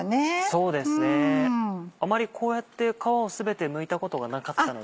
そうですねあまりこうやって皮を全てむいたことがなかったので。